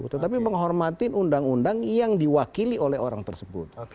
tetapi menghormatin undang undang yang diwakili oleh orang tersebut